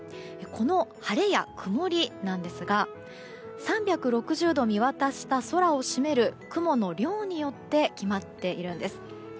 この晴れや曇りなんですが３６０度見渡した空を占める雲の量によって決まっているんです。